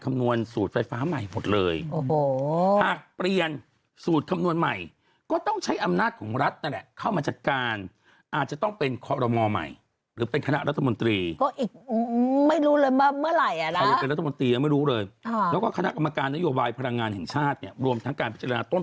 วันนี้ในกรมกิจตันตระวันนิษฐ์นะฮะ